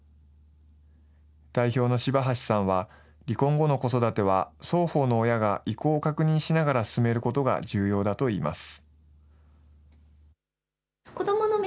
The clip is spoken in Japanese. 代表のしばはしさんは、離婚後の子育ては双方の親が意向を確認しながら進めることが重要だといいます。